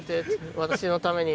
「私のために」。